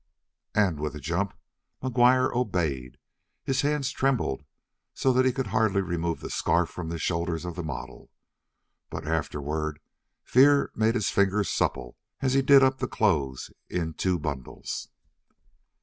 And with a jump McGuire obeyed. His hands trembled so that he could hardly remove the scarf from the shoulders of the model, but afterward fear made his fingers supple, as he did up the clothes in two bundles.